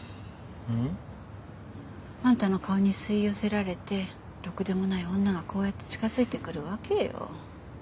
ん？あんたの顔に吸い寄せられてろくでもない女がこうやって近づいてくるわけよ。